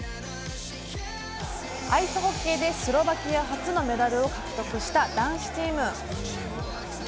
アイスホッケーでスロバキア初のメダルを獲得した男子チーム。